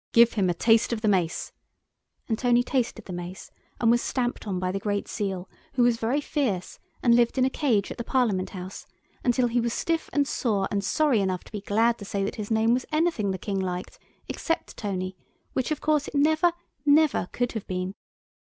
"Give him a taste of the Mace," and Tony tasted the Mace and was stamped on by the Great Seal, who was very fierce and lived in a cage at the Parliament House, until he was stiff and sore and sorry enough to be glad to say that his name was anything the King liked, except Tony, which of course it never, never could have been.